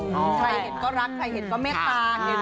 ใครเห็นก็รักใครเห็นก็เมตตา